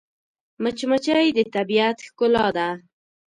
مچمچۍ د طبیعت ښکلا ده